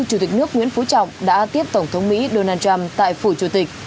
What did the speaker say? chủ tịch nước nguyễn phú trọng đã tiếp tổng thống mỹ donald trump tại phủ chủ tịch